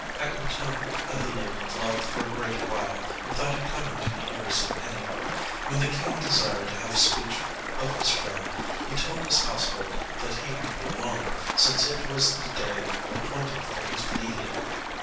Equitan and the lady loved for a great while without it coming to the ears of any. When the King desired to have speech of his friend, he told his household that he would be alone, since it was the day appointed for his bleeding.